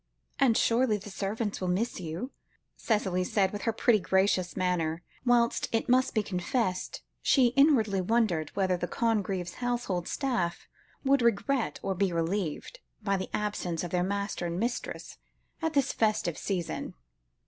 "And surely the servants will miss you?" Cicely said with her pretty gracious manner, whilst, it must be confessed, she inwardly wondered whether the Congreves' household staff would regret or be relieved, by the absence of their master and mistress at this festive season.